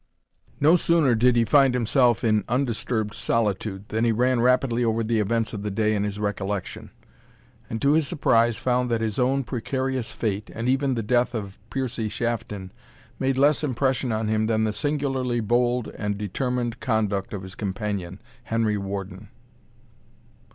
No sooner did he find himself in undisturbed solitude, than he ran rapidly over the events of the day in his recollection, and to his surprise found that his own precarious fate, and even the death of Piercie Shafton, made less impression on him than the singularly bold and determined conduct of his companion, Henry Warden.